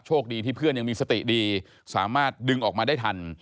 คดีที่เพื่อนยังมีสติดีสามารถดึงออกมาได้ทัน